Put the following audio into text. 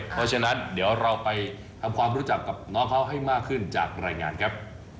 เพราะฉะนั้นเดี๋ยวเราไปทำความรู้จักกับน้องเขาให้มากขึ้นจากรายงานครับ